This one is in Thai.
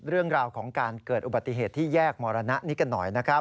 เรื่องราวของการเกิดอุบัติเหตุที่แยกมรณะนี้กันหน่อยนะครับ